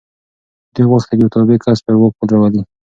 دوی غوښتل یو تابع کس پر واک راولي.